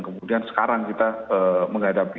kemudian sekarang kita menghadapi